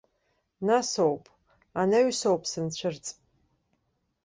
Нас ауп, анаҩс ауп санцәырҵ.